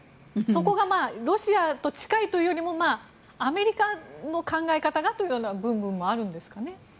そこがロシアと近いというよりアメリカの考え方がという部分もあるんですかね。